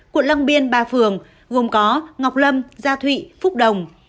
quận lăng biên ba phường bao gồm ngọc lâm gia thụy phúc đồng